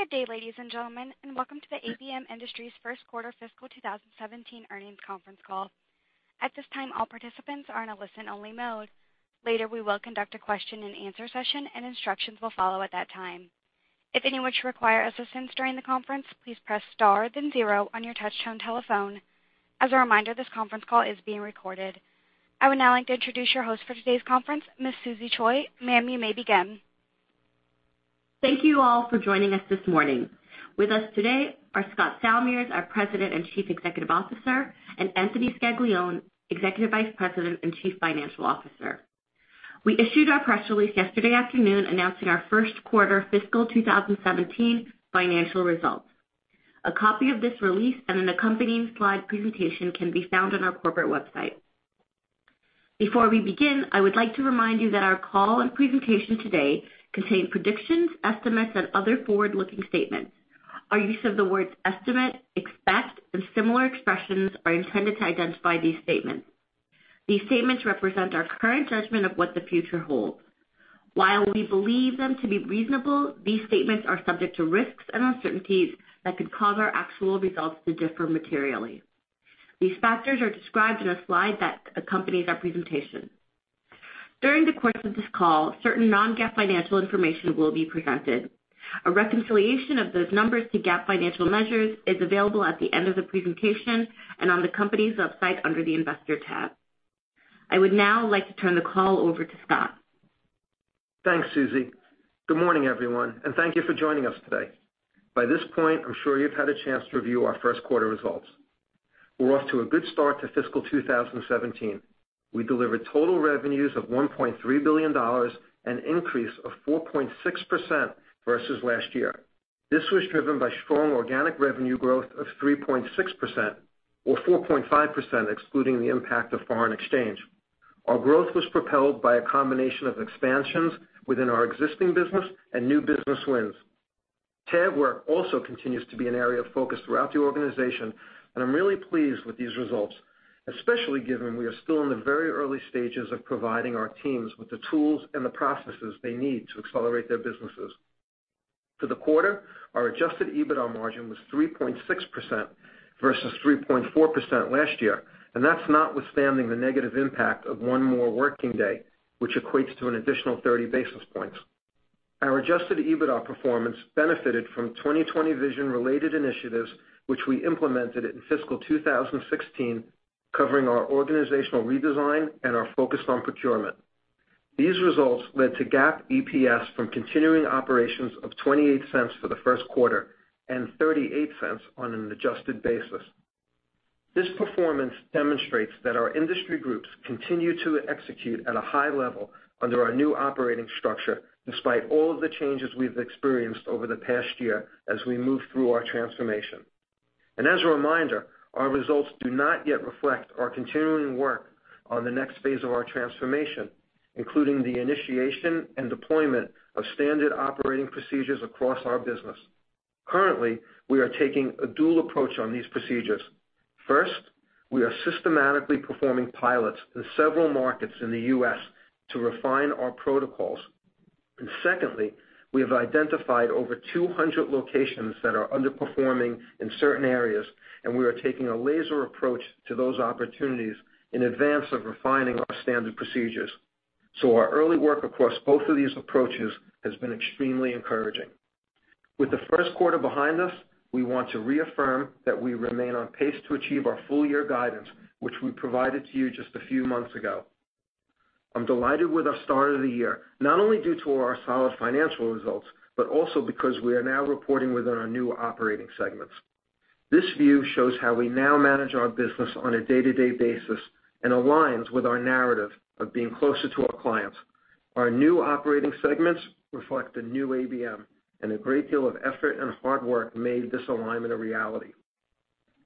Good day, ladies and gentlemen. Welcome to the ABM Industries first quarter fiscal 2017 earnings conference call. At this time, all participants are in a listen-only mode. Later, we will conduct a question and answer session and instructions will follow at that time. If anyone should require assistance during the conference, please press star then zero on your touchtone telephone. As a reminder, this conference call is being recorded. I would now like to introduce your host for today's conference, Ms. Susy Choi. Ma'am, you may begin. Thank you all for joining us this morning. With us today are Scott Salmirs, our President and Chief Executive Officer, and Anthony Scaglione, Executive Vice President and Chief Financial Officer. We issued our press release yesterday afternoon announcing our first quarter fiscal 2017 financial results. A copy of this release and an accompanying slide presentation can be found on our corporate website. Before we begin, I would like to remind you that our call and presentation today contain predictions, estimates, and other forward-looking statements. Our use of the words "estimate," "expect," and similar expressions are intended to identify these statements. These statements represent our current judgment of what the future holds. While we believe them to be reasonable, these statements are subject to risks and uncertainties that could cause our actual results to differ materially. These factors are described in a slide that accompanies our presentation. During the course of this call, certain non-GAAP financial information will be presented. A reconciliation of those numbers to GAAP financial measures is available at the end of the presentation and on the company's website under the Investor tab. I would now like to turn the call over to Scott. Thanks, Susy. Good morning, everyone. Thank you for joining us today. By this point, I'm sure you've had a chance to review our first quarter results. We're off to a good start to fiscal 2017. We delivered total revenues of $1.3 billion, an increase of 4.6% versus last year. This was driven by strong organic revenue growth of 3.6%, or 4.5% excluding the impact of foreign exchange. Our growth was propelled by a combination of expansions within our existing business and new business wins. TAG work also continues to be an area of focus throughout the organization, and I'm really pleased with these results, especially given we are still in the very early stages of providing our teams with the tools and the processes they need to accelerate their businesses. For the quarter, our adjusted EBITDA margin was 3.6% versus 3.4% last year, that's notwithstanding the negative impact of one more working day, which equates to an additional 30 basis points. Our adjusted EBITDA performance benefited from 2020 Vision-related initiatives which we implemented in fiscal 2016, covering our organizational redesign and our focus on procurement. These results led to GAAP EPS from continuing operations of $0.28 for the first quarter and $0.38 on an adjusted basis. This performance demonstrates that our industry groups continue to execute at a high level under our new operating structure, despite all of the changes we've experienced over the past year as we move through our transformation. As a reminder, our results do not yet reflect our continuing work on the next phase of our transformation, including the initiation and deployment of standard operating procedures across our business. Currently, we are taking a dual approach on these procedures. First, we are systematically performing pilots in several markets in the U.S. to refine our protocols. Secondly, we have identified over 200 locations that are underperforming in certain areas, and we are taking a laser approach to those opportunities in advance of refining our standard procedures. Our early work across both of these approaches has been extremely encouraging. With the first quarter behind us, we want to reaffirm that we remain on pace to achieve our full-year guidance, which we provided to you just a few months ago. I'm delighted with our start of the year, not only due to our solid financial results, but also because we are now reporting within our new operating segments. This view shows how we now manage our business on a day-to-day basis and aligns with our narrative of being closer to our clients. Our new operating segments reflect the new ABM and a great deal of effort and hard work made this alignment a reality.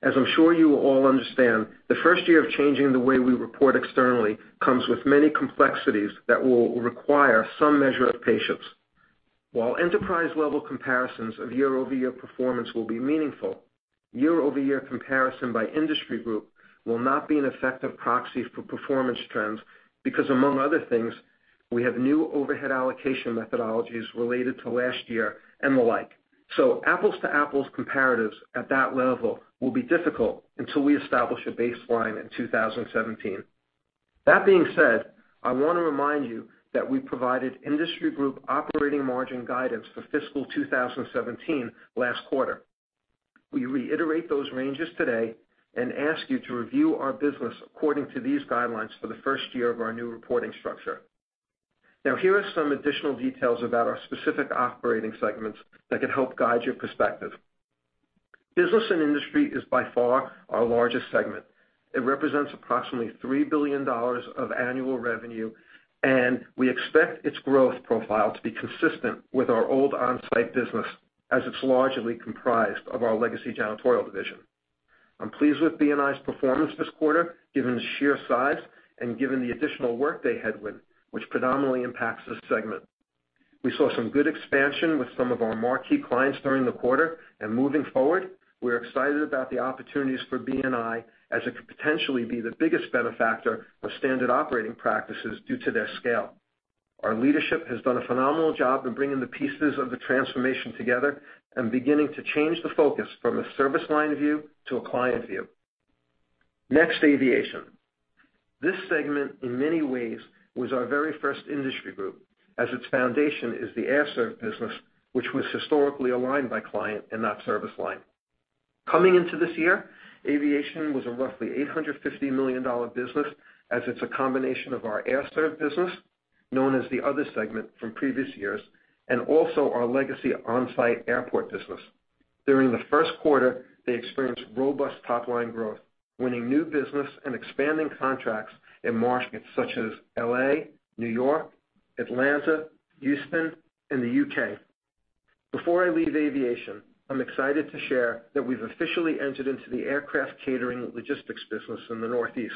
As I'm sure you will all understand, the first year of changing the way we report externally comes with many complexities that will require some measure of patience. While enterprise-level comparisons of year-over-year performance will be meaningful, year-over-year comparison by industry group will not be an effective proxy for performance trends because, among other things, we have new overhead allocation methodologies related to last year and the like. Apples-to-apples comparatives at that level will be difficult until we establish a baseline in 2017. That being said, I want to remind you that we provided industry group operating margin guidance for fiscal 2017 last quarter. We reiterate those ranges today and ask you to review our business according to these guidelines for the first year of our new reporting structure. Here are some additional details about our specific operating segments that could help guide your perspective. Business & Industry is by far our largest segment. It represents approximately $3 billion of annual revenue, and we expect its growth profile to be consistent with our old on-site business as it's largely comprised of our legacy janitorial division. I'm pleased with B&I's performance this quarter, given the sheer size and given the additional workday headwind, which predominantly impacts this segment. We saw some good expansion with some of our marquee clients during the quarter. Moving forward, we're excited about the opportunities for B&I as it could potentially be the biggest benefactor of standard operating practices due to their scale. Our leadership has done a phenomenal job in bringing the pieces of the transformation together and beginning to change the focus from a service line view to a client view. Next, Aviation. This segment, in many ways, was our very first industry group, as its foundation is the Air Serv business, which was historically aligned by client and not service line. Coming into this year, Aviation was a roughly $850 million business as it's a combination of our Air Serv business, known as the other segment from previous years, and also our legacy on-site airport business. During the first quarter, they experienced robust top-line growth, winning new business and expanding contracts in markets such as L.A., New York, Atlanta, Houston, and the U.K. Before I leave Aviation, I'm excited to share that we've officially entered into the aircraft catering logistics business in the Northeast.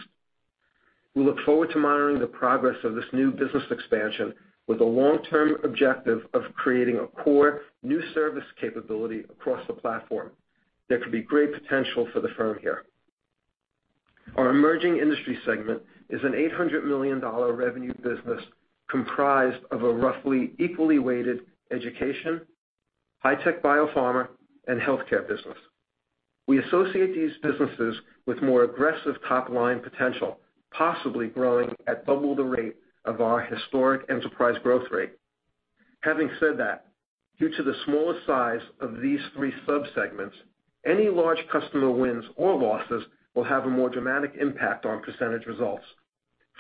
We look forward to monitoring the progress of this new business expansion with a long-term objective of creating a core new service capability across the platform. There could be great potential for the firm here. Our Emerging Industries segment is an $800 million revenue business comprised of a roughly equally weighted education, high-tech biopharma, and healthcare business. We associate these businesses with more aggressive top-line potential, possibly growing at double the rate of our historic enterprise growth rate. Having said that, due to the smaller size of these three subsegments, any large customer wins or losses will have a more dramatic impact on percentage results.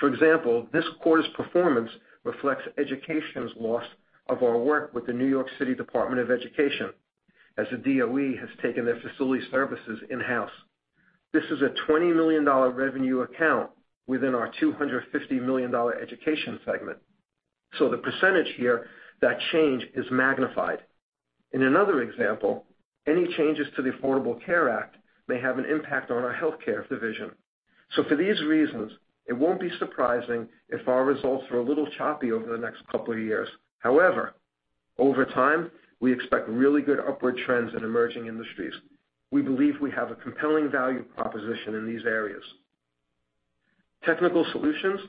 For example, this quarter's performance reflects education's loss of our work with the New York City Department of Education, as the DOE has taken their facility services in-house. This is a $20 million revenue account within our $250 million education segment. The percentage here, that change is magnified. In another example, any changes to the Affordable Care Act may have an impact on our healthcare division. For these reasons, it won't be surprising if our results are a little choppy over the next couple of years. However, over time, we expect really good upward trends in Emerging Industries. We believe we have a compelling value proposition in these areas. Technical Solutions,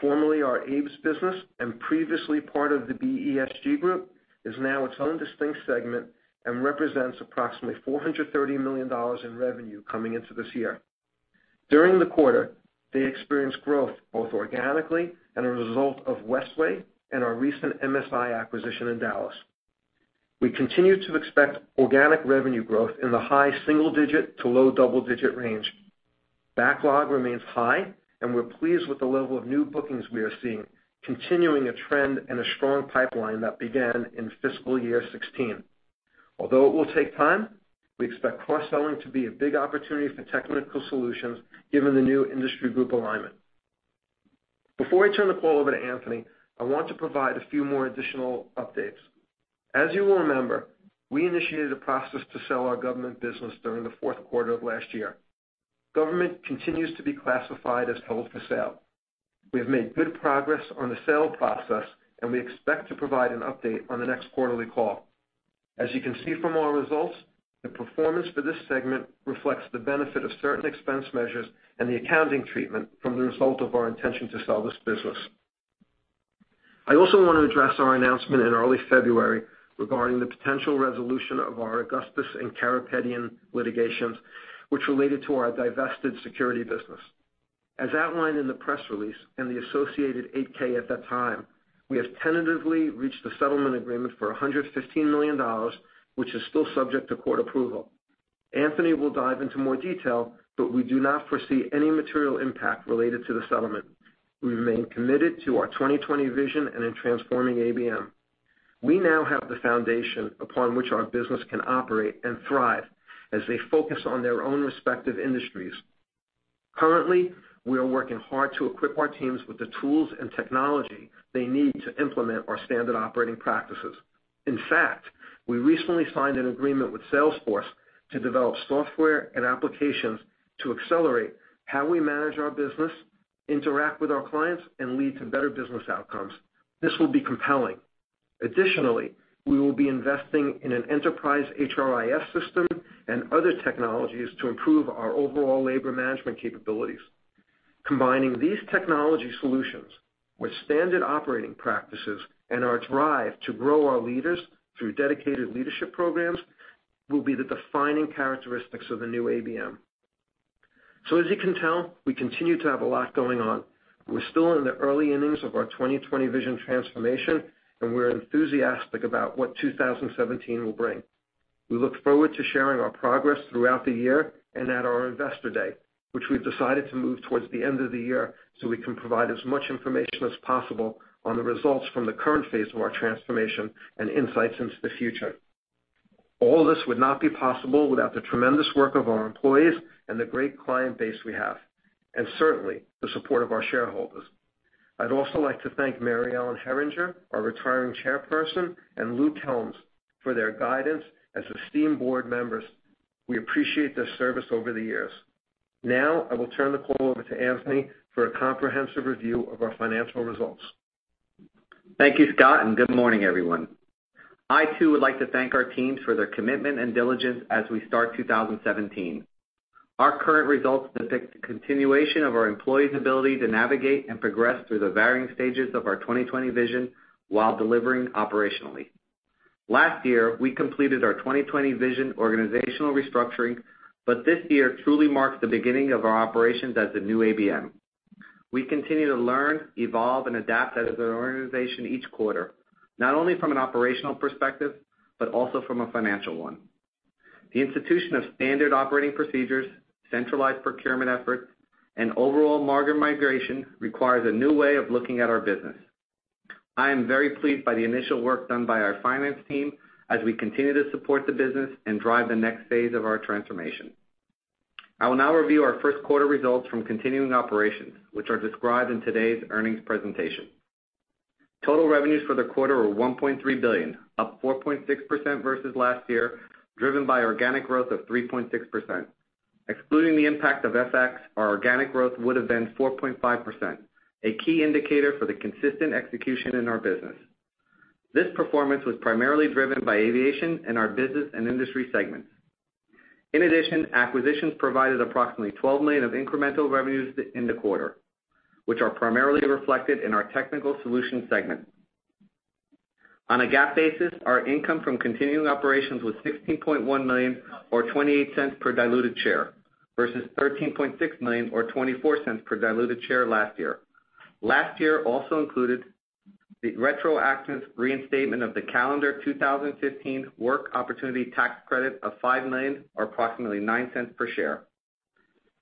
formerly our ABES business and previously part of the BESG group, is now its own distinct segment and represents approximately $430 million in revenue coming into this year. During the quarter, they experienced growth both organically and a result of Westway and our recent MSI acquisition in Dallas. We continue to expect organic revenue growth in the high single-digit to low double-digit range. Backlog remains high, and we're pleased with the level of new bookings we are seeing, continuing a trend and a strong pipeline that began in fiscal year 2016. Although it will take time, we expect cross-selling to be a big opportunity for Technical Solutions given the new industry group alignment. Before I turn the call over to Anthony, I want to provide a few more additional updates. As you will remember, we initiated a process to sell our government business during the fourth quarter of last year. Government continues to be classified as held for sale. We have made good progress on the sale process, and we expect to provide an update on the next quarterly call. As you can see from our results, the performance for this segment reflects the benefit of certain expense measures and the accounting treatment from the result of our intention to sell this business. I also want to address our announcement in early February regarding the potential resolution of our Augustus and Karapetyan litigations, which related to our divested security business. As outlined in the press release and the associated 8-K at that time, we have tentatively reached a settlement agreement for $115 million, which is still subject to court approval. Anthony will dive into more detail, but we do not foresee any material impact related to the settlement. We remain committed to our 2020 Vision and in transforming ABM. We now have the foundation upon which our business can operate and thrive as they focus on their own respective industries. Currently, we are working hard to equip our teams with the tools and technology they need to implement our standard operating practices. In fact, we recently signed an agreement with Salesforce to develop software and applications to accelerate how we manage our business, interact with our clients, and lead to better business outcomes. This will be compelling. Additionally, we will be investing in an enterprise HRIS system and other technologies to improve our overall labor management capabilities. Combining these technology solutions with standard operating practices and our drive to grow our leaders through dedicated leadership programs will be the defining characteristics of the new ABM. As you can tell, we continue to have a lot going on. We're still in the early innings of our 2020 Vision transformation, and we're enthusiastic about what 2017 will bring. We look forward to sharing our progress throughout the year and at our Investor Day, which we've decided to move towards the end of the year so we can provide as much information as possible on the results from the current phase of our transformation and insights into the future. All this would not be possible without the tremendous work of our employees and the great client base we have, and certainly the support of our shareholders. I'd also like to thank Maryellen Herringer, our retiring chairperson, and Lou Klem for their guidance as esteemed board members. We appreciate their service over the years. Now, I will turn the call over to Anthony for a comprehensive review of our financial results. Thank you, Scott, and good morning, everyone. I too would like to thank our teams for their commitment and diligence as we start 2017. Our current results depict a continuation of our employees' ability to navigate and progress through the varying stages of our 2020 Vision while delivering operationally. Last year, we completed our 2020 Vision organizational restructuring, but this year truly marks the beginning of our operations as the new ABM. We continue to learn, evolve, and adapt as an organization each quarter, not only from an operational perspective, but also from a financial one. The institution of standard operating procedures, centralized procurement efforts, and overall margin migration requires a new way of looking at our business. I am very pleased by the initial work done by our finance team as we continue to support the business and drive the next phase of our transformation. I will now review our first quarter results from continuing operations, which are described in today's earnings presentation. Total revenues for the quarter were $1.3 billion, up 4.6% versus last year, driven by organic growth of 3.6%. Excluding the impact of FX, our organic growth would've been 4.5%, a key indicator for the consistent execution in our business. This performance was primarily driven by Aviation and our Business & Industry segments. In addition, acquisitions provided approximately $12 million of incremental revenues in the quarter, which are primarily reflected in our Technical Solutions segment. On a GAAP basis, our income from continuing operations was $16.1 million or $0.28 per diluted share, versus $13.6 million or $0.24 per diluted share last year. Last year also included the retroactive reinstatement of the calendar 2015 Work Opportunity Tax Credit of $5 million, or approximately $0.09 per share.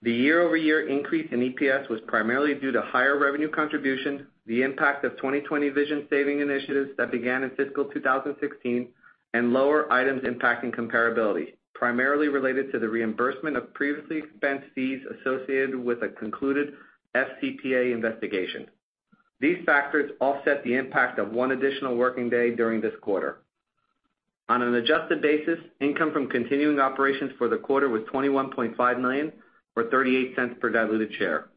The year-over-year increase in EPS was primarily due to higher revenue contribution, the impact of 2020 Vision saving initiatives that began in fiscal 2016, and lower items impacting comparability, primarily related to the reimbursement of previously expensed fees associated with a concluded FCPA investigation. These factors offset the impact of one additional working day during this quarter. On an adjusted basis, income from continuing operations for the quarter was $21.5 million or $0.38 per diluted share.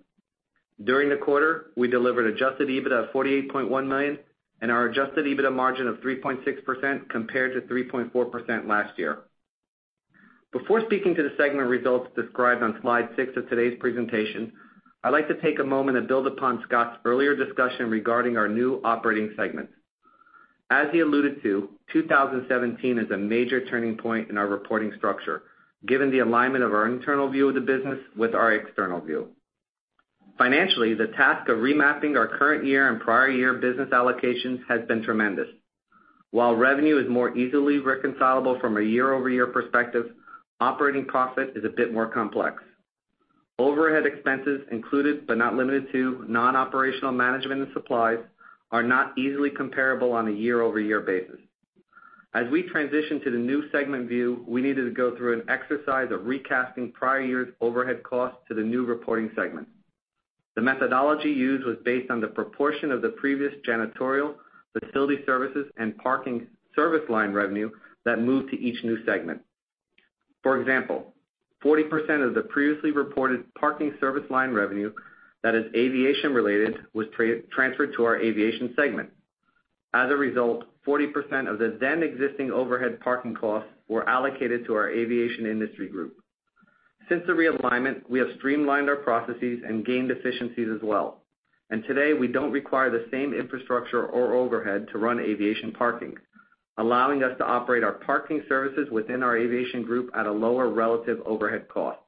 During the quarter, we delivered adjusted EBITDA of $48.1 million and our adjusted EBITDA margin of 3.6% compared to 3.4% last year. Before speaking to the segment results described on slide six of today's presentation, I'd like to take a moment and build upon Scott's earlier discussion regarding our new operating segments. As he alluded to, 2017 is a major turning point in our reporting structure, given the alignment of our internal view of the business with our external view. Financially, the task of remapping our current year and prior year business allocations has been tremendous. While revenue is more easily reconcilable from a year-over-year perspective, operating profit is a bit more complex. Overhead expenses included, but not limited to non-operational management and supplies, are not easily comparable on a year-over-year basis. As we transition to the new segment view, we needed to go through an exercise of recasting prior year's overhead costs to the new reporting segment. The methodology used was based on the proportion of the previous janitorial, facility services, and parking service line revenue that moved to each new segment. For example, 40% of the previously reported parking service line revenue that is Aviation related was transferred to our Aviation segment. As a result, 40% of the then existing overhead parking costs were allocated to our Aviation industry group. Since the realignment, we have streamlined our processes and gained efficiencies as well, and today, we don't require the same infrastructure or overhead to run Aviation parking, allowing us to operate our parking services within our Aviation group at a lower relative overhead cost.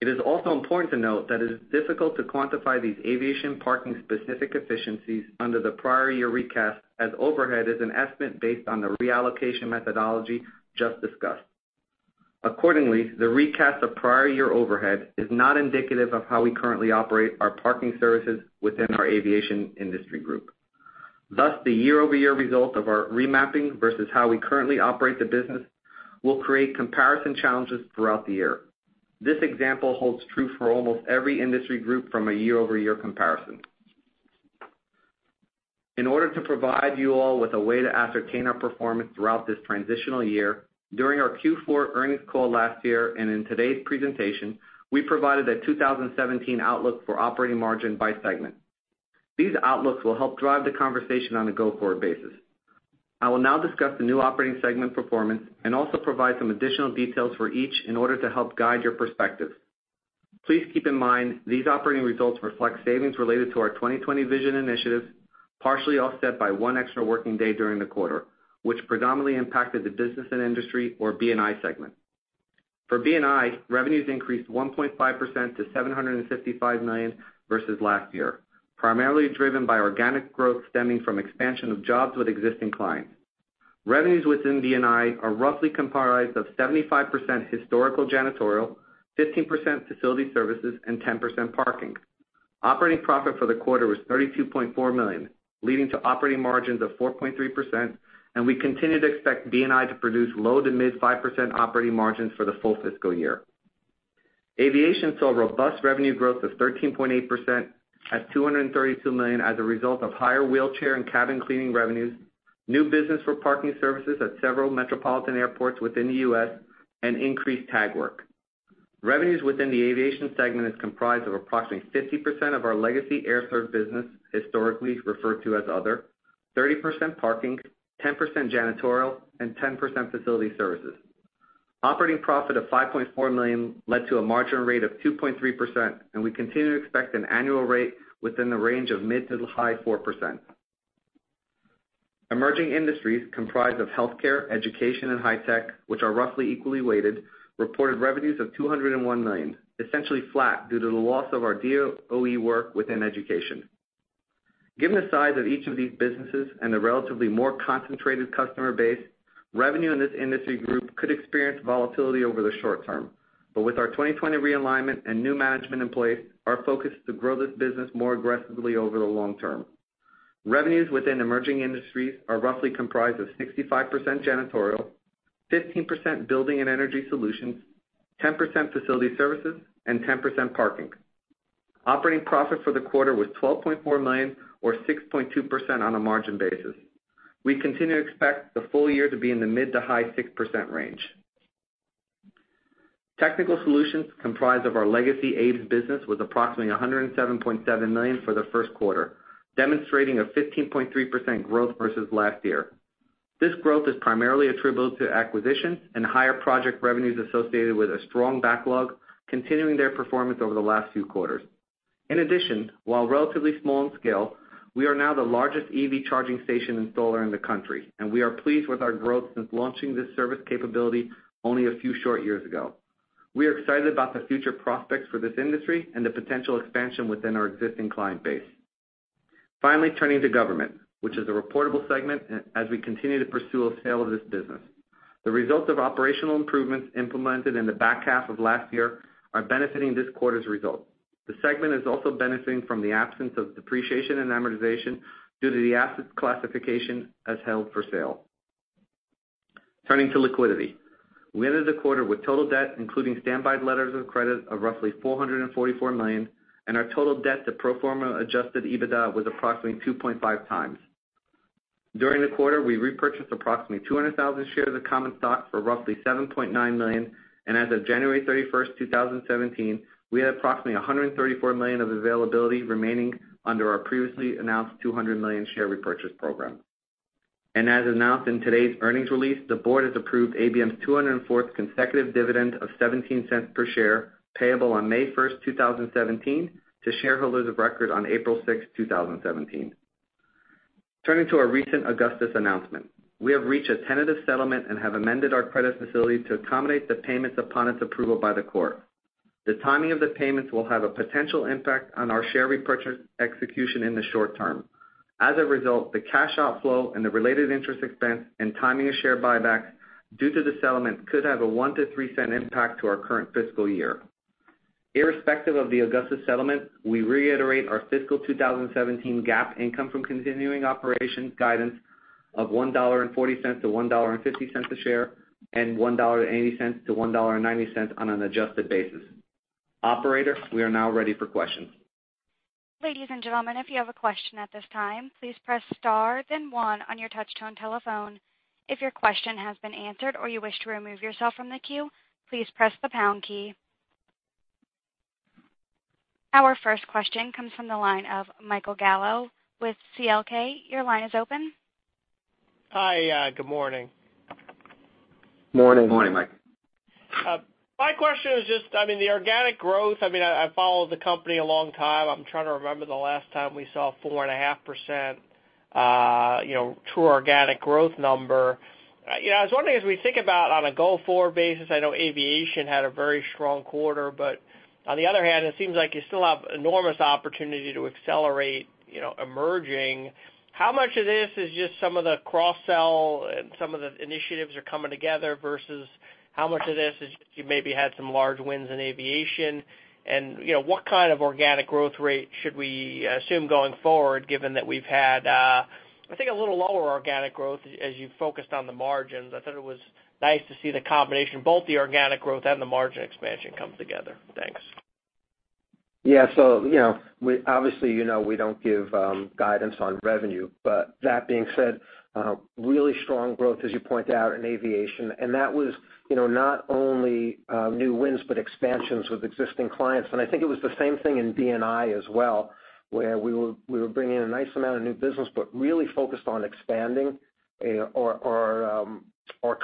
It is also important to note that it is difficult to quantify these Aviation parking specific efficiencies under the prior year recast, as overhead is an estimate based on the reallocation methodology just discussed. Accordingly, the recast of prior year overhead is not indicative of how we currently operate our parking services within our Aviation industry group. The year-over-year result of our remapping versus how we currently operate the business will create comparison challenges throughout the year. This example holds true for almost every industry group from a year-over-year comparison. In order to provide you all with a way to ascertain our performance throughout this transitional year, during our Q4 earnings call last year and in today's presentation, we provided a 2017 outlook for operating margin by segment. These outlooks will help drive the conversation on a go-forward basis. I will now discuss the new operating segment performance and also provide some additional details for each in order to help guide your perspective. Please keep in mind these operating results reflect savings related to our 2020 Vision initiatives, partially offset by one extra working day during the quarter, which predominantly impacted the Business & Industry or B&I segment. For B&I, revenues increased 1.5% to $755 million versus last year, primarily driven by organic growth stemming from expansion of jobs with existing clients. Revenues within B&I are roughly comprised of 75% historical janitorial, 15% facility services, and 10% parking. Operating profit for the quarter was $32.4 million, leading to operating margins of 4.3%, and we continue to expect B&I to produce low to mid 5% operating margins for the full fiscal year. Aviation saw robust revenue growth of 13.8% at $232 million as a result of higher wheelchair and cabin cleaning revenues, new business for parking services at several metropolitan airports within the U.S., and increased TAG work. Revenues within the Aviation segment is comprised of approximately 50% of our legacy Air Serv business, historically referred to as other, 30% parking, 10% janitorial, and 10% facility services. Operating profit of $5.4 million led to a margin rate of 2.3%, and we continue to expect an annual rate within the range of mid to high 4%. Emerging Industries, comprised of healthcare, education, and high-tech, which are roughly equally weighted, reported revenues of $201 million, essentially flat due to the loss of our DOE work within education. Given the size of each of these businesses and the relatively more concentrated customer base, revenue in this industry group could experience volatility over the short term. With our 2020 realignment and new management in place, our focus is to grow this business more aggressively over the long term. Revenues within Emerging Industries are roughly comprised of 65% janitorial, 15% Building & Energy Solutions, 10% facility services, and 10% parking. Operating profit for the quarter was $12.4 million or 6.2% on a margin basis. We continue to expect the full year to be in the mid to high 6% range. Technical Solutions, comprised of our legacy ABES business, was approximately $107.7 million for the first quarter, demonstrating a 15.3% growth versus last year. This growth is primarily attributable to acquisitions and higher project revenues associated with a strong backlog, continuing their performance over the last few quarters. In addition, while relatively small in scale, we are now the largest EV charging station installer in the country, and we are pleased with our growth since launching this service capability only a few short years ago. We are excited about the future prospects for this industry and the potential expansion within our existing client base. Turning to Government, which is a reportable segment as we continue to pursue a sale of this business. The results of operational improvements implemented in the back half of last year are benefiting this quarter's results. The segment is also benefiting from the absence of depreciation and amortization due to the assets classification as held for sale. Turning to liquidity. We ended the quarter with total debt, including standby letters of credit, of roughly $444 million, and our total debt to pro forma adjusted EBITDA was approximately 2.5 times. During the quarter, we repurchased approximately 200,000 shares of common stock for roughly $7.9 million, and as of January 31st, 2017, we had approximately $134 million of availability remaining under our previously announced $200 million share repurchase program. As announced in today's earnings release, the board has approved ABM's 204th consecutive dividend of $0.17 per share, payable on May 1st, 2017, to shareholders of record on April 6th, 2017. Turning to our recent Augustus announcement. We have reached a tentative settlement and have amended our credit facility to accommodate the payments upon its approval by the court. The timing of the payments will have a potential impact on our share repurchase execution in the short term. As a result, the cash outflow and the related interest expense and timing of share buybacks due to the settlement could have a $0.01-$0.03 impact to our current fiscal year. Irrespective of the Augustus settlement, we reiterate our fiscal 2017 GAAP income from continuing operations guidance of $1.40-$1.50 a share and $1.80-$1.90 on an adjusted basis. Operator, we are now ready for questions. Ladies and gentlemen, if you have a question at this time, please press star then one on your touch tone telephone. If your question has been answered or you wish to remove yourself from the queue, please press the pound key. Our first question comes from the line of Michael Gallo with CL King. Your line is open. Hi. Good morning. Morning. Morning, Mike. My question is just, I mean, the organic growth, I mean, I've followed the company a long time. I'm trying to remember the last time we saw 4.5%, true organic growth number. I was wondering, as we think about on a go-forward basis, I know Aviation had a very strong quarter, but on the other hand, it seems like you still have enormous opportunity to accelerate Emerging. How much of this is just some of the cross-sell and some of the initiatives are coming together versus how much of this is you maybe had some large wins in Aviation? What kind of organic growth rate should we assume going forward, given that we've had, I think a little lower organic growth as you focused on the margins. I thought it was nice to see the combination of both the organic growth and the margin expansion come together. Thanks. Yeah. Obviously, you know we don't give guidance on revenue. That being said, really strong growth, as you point out, in Aviation. That was not only new wins, but expansions with existing clients. I think it was the same thing in B&I as well, where we were bringing in a nice amount of new business, but really focused on expanding our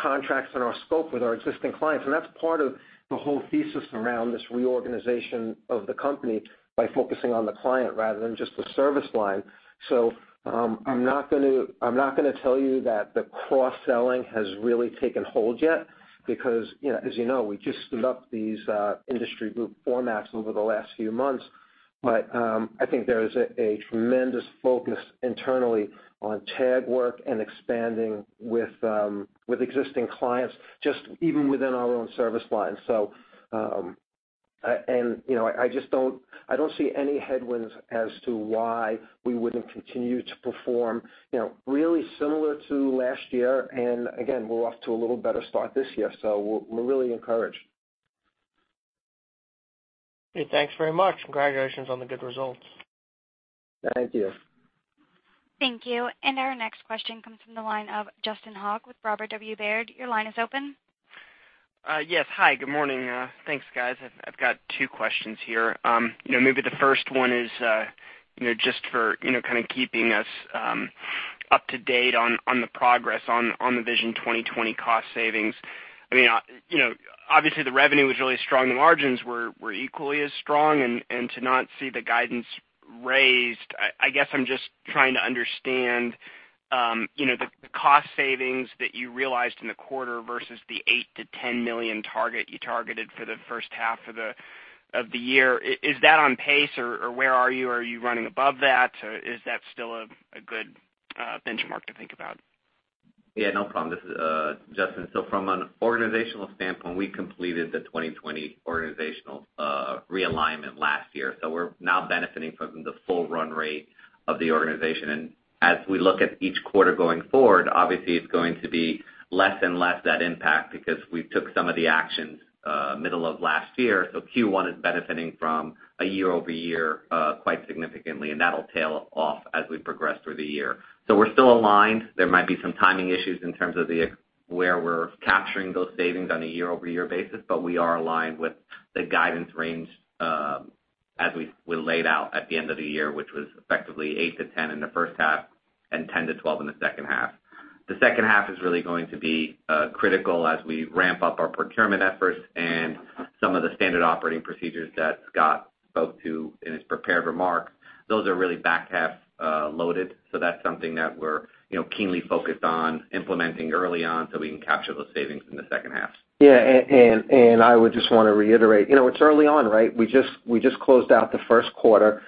contracts and our scope with our existing clients. That's part of the whole thesis around this reorganization of the company by focusing on the client rather than just the service line. I'm not going to tell you that the cross-selling has really taken hold yet because, as you know, we just stood up these industry group formats over the last few months. I think there is a tremendous focus internally on TAG work and expanding with existing clients, just even within our own service lines. I don't see any headwinds as to why we wouldn't continue to perform really similar to last year. Again, we're off to a little better start this year, so we're really encouraged. Hey, thanks very much. Congratulations on the good results. Thank you. Thank you. Our next question comes from the line of Justin Hauke with Robert W. Baird. Your line is open. Yes. Hi, good morning. Thanks, guys. I've got two questions here. Maybe the first one is just for kind of keeping us up to date on the progress on the 2020 Vision cost savings. Obviously, the revenue was really strong. The margins were equally as strong, and to not see the guidance raised, I guess I'm just trying to understand the cost savings that you realized in the quarter versus the $8 million-$10 million target you targeted for the first half of the year. Is that on pace or where are you? Are you running above that? Is that still a good benchmark to think about? Yeah, no problem. This is Justin. From an organizational standpoint, we completed the 2020 organizational realignment last year. We're now benefiting from the full run rate of the organization. As we look at each quarter going forward, obviously it's going to be less and less that impact because we took some of the actions middle of last year. Q1 is benefiting from a year-over-year quite significantly, and that'll tail off as we progress through the year. We're still aligned. There might be some timing issues in terms of where we're capturing those savings on a year-over-year basis, but we are aligned with the guidance range as we laid out at the end of the year, which was effectively $8 million-$10 million in the first half and $10 million-$12 million in the second half. The second half is really going to be critical as we ramp up our procurement efforts and some of the standard operating procedures that Scott spoke to in his prepared remarks. Those are really back-half loaded. That's something that we're keenly focused on implementing early on so we can capture those savings in the second half. Yeah, I would just want to reiterate, it's early on, right? We just closed out the first quarter.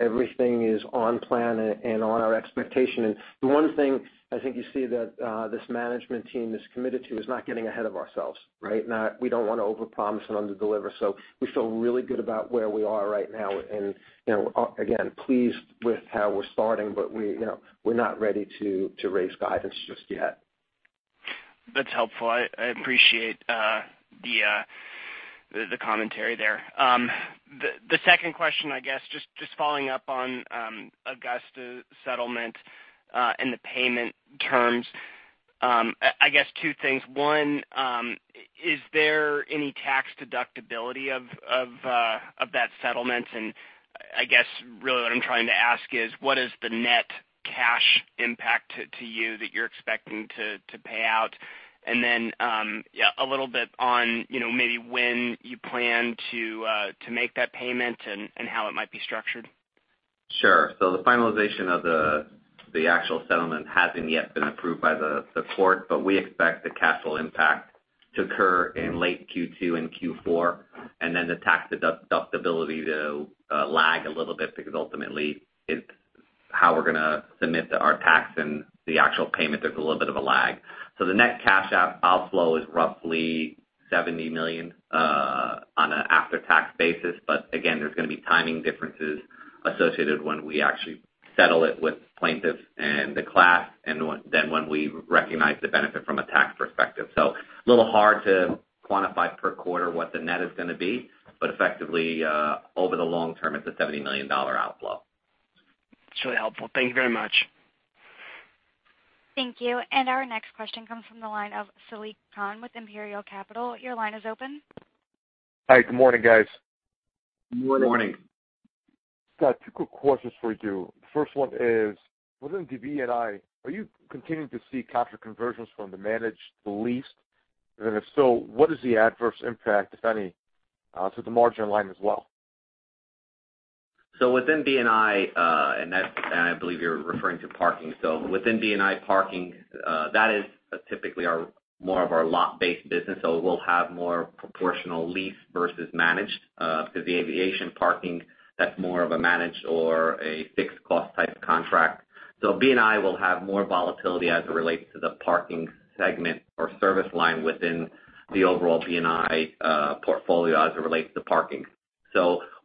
Everything is on plan and on our expectation. The one thing I think you see that this management team is committed to is not getting ahead of ourselves, right? We don't want to overpromise and underdeliver. We feel really good about where we are right now. Again, pleased with how we're starting, but we're not ready to raise guidance just yet. That's helpful. I appreciate the commentary there. The second question, I guess, just following up on Augustus settlement and the payment terms. I guess two things. One, is there any tax deductibility of that settlement? And I guess really what I'm trying to ask is what is the net cash impact to you that you're expecting to pay out? And then a little bit on maybe when you plan to make that payment and how it might be structured. The finalization of the actual settlement hasn't yet been approved by the court, but we expect the cash flow impact to occur in late Q2 and Q4, the tax deductibility to lag a little bit because ultimately how we're going to submit our tax and the actual payment, there's a little bit of a lag. The net cash outflow is roughly $70 million on an after-tax basis, but again, there's going to be timing differences associated when we actually settle it with plaintiffs and the class, than when we recognize the benefit from a tax perspective. A little hard to quantify per quarter what the net is going to be, but effectively over the long term, it's a $70 million outflow. It's really helpful. Thank you very much. Thank you. Our next question comes from the line of Saliq Khan with Imperial Capital. Your line is open. Hi, good morning, guys. Good morning. Scott, two quick questions for you. The first one is, within B&I, are you continuing to see capture conversions from the managed lease? If so, what is the adverse impact, if any, to the margin line as well? Within B&I believe you're referring to parking. Within B&I parking, that is typically more of our lot-based business, we'll have more proportional lease versus managed. The Aviation parking, that's more of a managed or a fixed cost type contract. B&I will have more volatility as it relates to the parking segment or service line within the overall B&I portfolio as it relates to parking.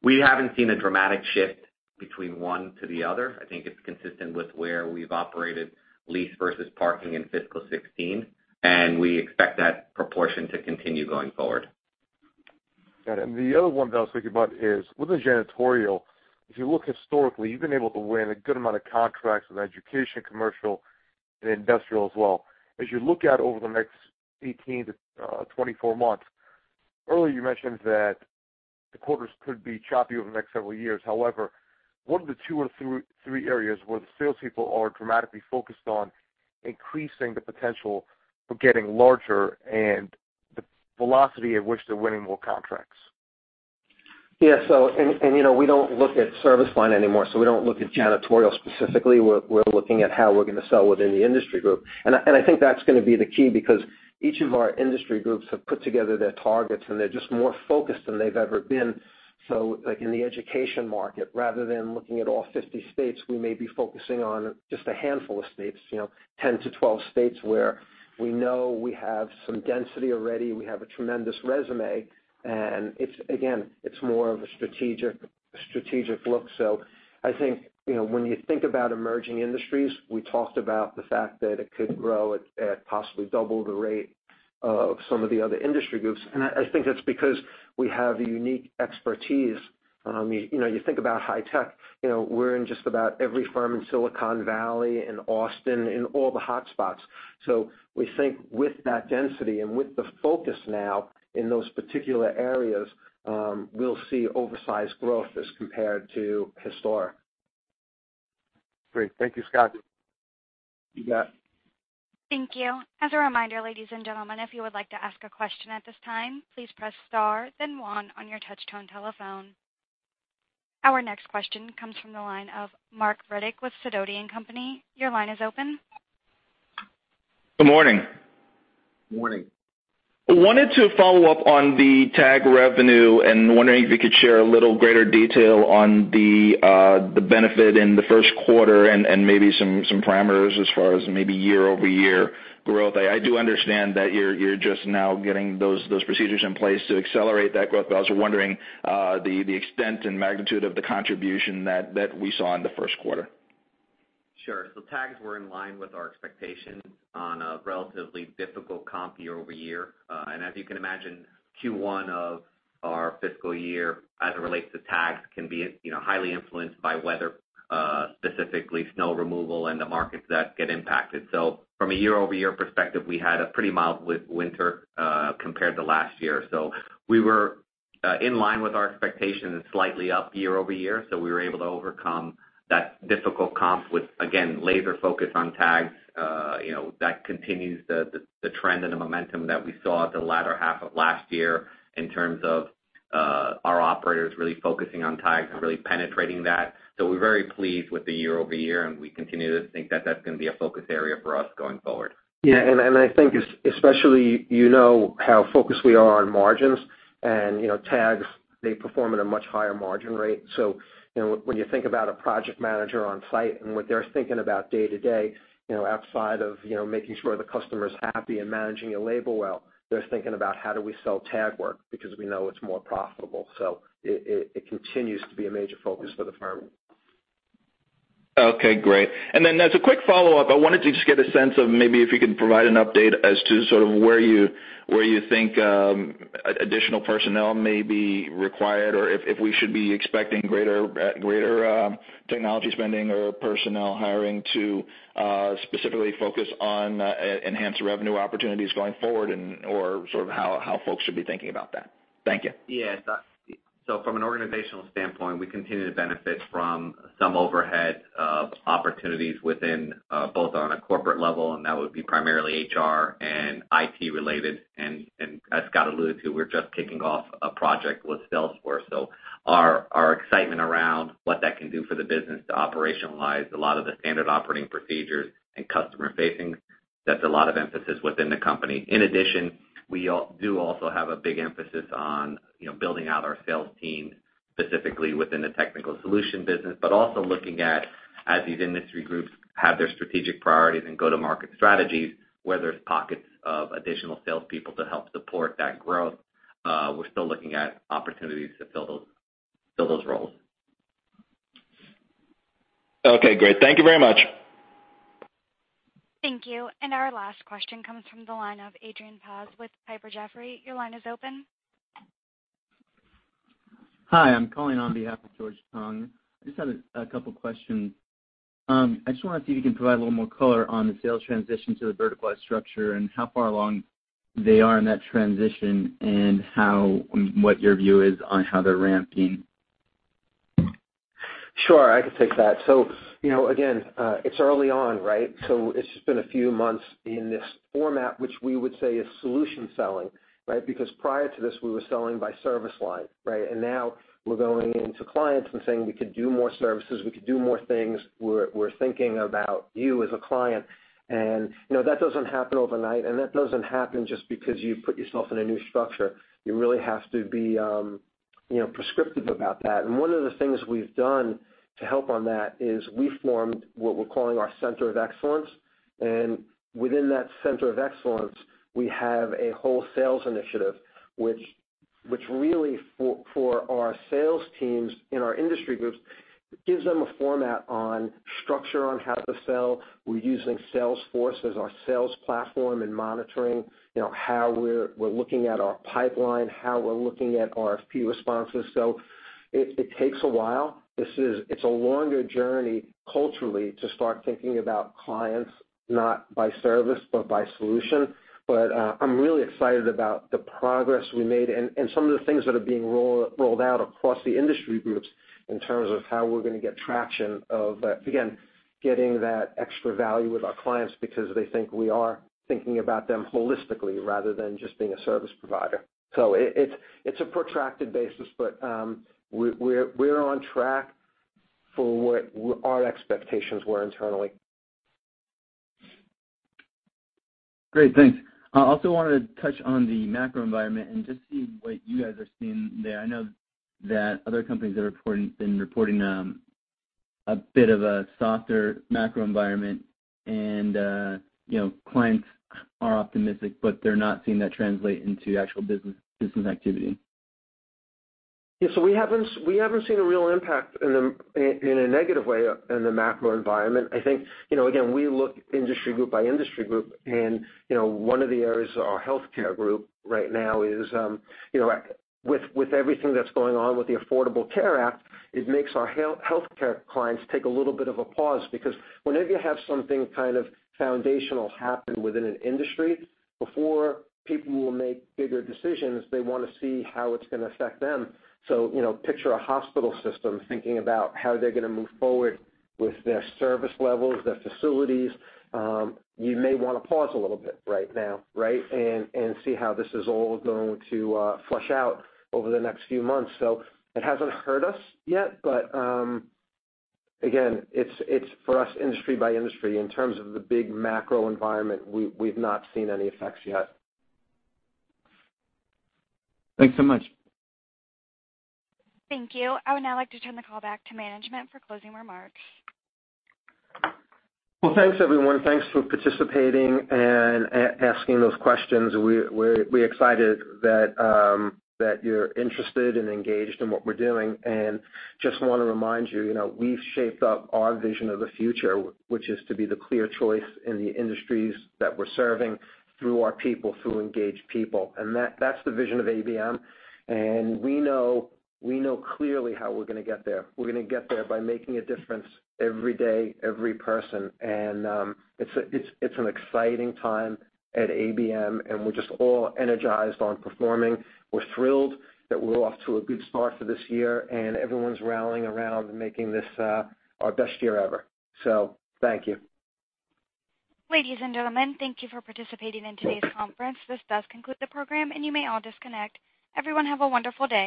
We haven't seen a dramatic shift between one to the other. I think it's consistent with where we've operated lease versus parking in fiscal 2016, We expect that proportion to continue going forward. Got it. The other one that I was thinking about is within janitorial, if you look historically, you've been able to win a good amount of contracts with education, commercial, and industrial as well. As you look out over the next 18-24 months, earlier you mentioned that the quarters could be choppy over the next several years. However, what are the two or three areas where the salespeople are dramatically focused on increasing the potential for getting larger and the velocity at which they're winning more contracts? We don't look at service line anymore. We don't look at janitorial specifically. We're looking at how we're going to sell within the industry group. I think that's going to be the key because each of our industry groups have put together their targets, and they're just more focused than they've ever been. Like in the education market, rather than looking at all 50 states, we may be focusing on just a handful of states, 10 to 12 states where we know we have some density already. We have a tremendous resume. Again, it's more of a strategic look. I think when you think about Emerging Industries, we talked about the fact that it could grow at possibly double the rate Of some of the other industry groups. I think that's because we have a unique expertise. You think about high-tech, we're in just about every firm in Silicon Valley, in Austin, in all the hotspots. We think with that density and with the focus now in those particular areas, we'll see oversized growth as compared to historic. Great. Thank you, Scott. You bet. Thank you. As a reminder, ladies and gentlemen, if you would like to ask a question at this time, please press star then one on your touch-tone telephone. Our next question comes from the line of Marc Frohlich with Sidoti & Company. Your line is open. Good morning. Morning. I wanted to follow up on the TAG revenue, wondering if you could share a little greater detail on the benefit in the first quarter and maybe some parameters as far as maybe year-over-year growth. I do understand that you're just now getting those procedures in place to accelerate that growth. I was wondering the extent and magnitude of the contribution that we saw in the first quarter. Sure. TAGs were in line with our expectations on a relatively difficult comp year-over-year. As you can imagine, Q1 of our fiscal year as it relates to TAGs, can be highly influenced by weather, specifically snow removal and the markets that get impacted. From a year-over-year perspective, we had a pretty mild winter, compared to last year. We were in line with our expectations, slightly up year-over-year. We were able to overcome that difficult comp with, again, laser focus on TAGs. That continues the trend and the momentum that we saw at the latter half of last year in terms of our operators really focusing on TAGs and really penetrating that. We're very pleased with the year-over-year, and we continue to think that that's going to be a focus area for us going forward. Yeah. I think especially, you know how focused we are on margins and TAG, they perform at a much higher margin rate. When you think about a project manager on site and what they're thinking about day-to-day, outside of making sure the customer's happy and managing a labor well, they're thinking about how do we sell TAG work? Because we know it's more profitable. It continues to be a major focus for the firm. Okay, great. As a quick follow-up, I wanted to just get a sense of maybe if you could provide an update as to sort of where you think additional personnel may be required, or if we should be expecting greater technology spending or personnel hiring to specifically focus on enhanced revenue opportunities going forward or sort of how folks should be thinking about that. Thank you. Yeah. From an organizational standpoint, we continue to benefit from some overhead opportunities within, both on a corporate level, and that would be primarily HR and IT related. As Scott Salmirs alluded to, we're just kicking off a project with Salesforce. Our excitement around what that can do for the business to operationalize a lot of the standard operating procedures and customer facing, that's a lot of emphasis within the company. In addition, we do also have a big emphasis on building out our sales team, specifically within the Technical Solutions business, but also looking at, as these industry groups have their strategic priorities and go-to-market strategies, where there's pockets of additional salespeople to help support that growth. We're still looking at opportunities to fill those roles. Okay, great. Thank you very much. Thank you. Our last question comes from the line of Andy Paz with Piper Jaffray. Your line is open. Hi, I'm calling on behalf of George Tong. I just had a couple questions. I just want to see if you can provide a little more color on the sales transition to the verticalized structure and how far along they are in that transition and what your view is on how they're ramping. Sure, I can take that. Again, it's early on, right? It's just been a few months in this format, which we would say is solution selling, right? Prior to this, we were selling by service line, right? Now we're going into clients and saying, "We could do more services. We could do more things. We're thinking about you as a client." That doesn't happen overnight, and that doesn't happen just because you put yourself in a new structure. You really have to be prescriptive about that. One of the things we've done to help on that is we formed what we're calling our center of excellence. Within that center of excellence, we have a whole sales initiative, which really for our sales teams in our industry groups, gives them a format on structure on how to sell. We're using Salesforce as our sales platform and monitoring how we're looking at our pipeline, how we're looking at RFP responses. It takes a while. It's a longer journey culturally to start thinking about clients, not by service, but by solution. I'm really excited about the progress we made and some of the things that are being rolled out across the industry groups in terms of how we're going to get traction of, again, getting that extra value with our clients because they think we are thinking about them holistically rather than just being a service provider. It's a protracted basis, but we're on track for what our expectations were internally. Great, thanks. I also wanted to touch on the macro environment and just see what you guys are seeing there. I know that other companies have been reporting a bit of a softer macro environment and clients are optimistic, but they're not seeing that translate into actual business activity. Yeah. We haven't seen a real impact in a negative way in the macro environment. I think, again, we look industry group by industry group, and one of the areas, our healthcare group right now is with everything that's going on with the Affordable Care Act, it makes our healthcare clients take a little bit of a pause, because whenever you have something kind of foundational happen within an industry, before people will make bigger decisions, they want to see how it's going to affect them. Picture a hospital system thinking about how they're going to move forward with their service levels, their facilities. You may want to pause a little bit right now, right? See how this is all going to flush out over the next few months. It hasn't hurt us yet, but again, it's for us industry by industry. In terms of the big macro environment, we've not seen any effects yet. Thanks so much. Thank you. I would now like to turn the call back to management for closing remarks. Well, thanks, everyone. Thanks for participating and asking those questions. We're excited that you're interested and engaged in what we're doing. Just want to remind you, we've shaped up our vision of the future, which is to be the clear choice in the industries that we're serving through our people, through engaged people. That's the vision of ABM, and we know clearly how we're going to get there. We're going to get there by making a difference every day, every person. It's an exciting time at ABM, and we're just all energized on performing. We're thrilled that we're off to a good start for this year, and everyone's rallying around making this our best year ever. Thank you. Ladies and gentlemen, thank you for participating in today's conference. This does conclude the program, you may all disconnect. Everyone have a wonderful day.